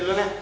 lo duluan ya